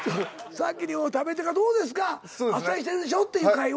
先に食べてから「どうですか？」「あっさりしてるでしょ」っていう会話やねん。